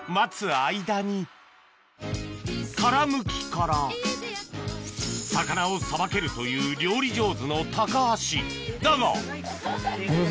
殻むきから魚をさばけるという料理上手の高橋だが！